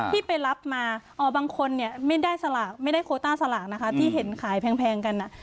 ที่ไปรับมาบางคนไม่ได้โคต้าสลากที่เห็นขายแพงกัน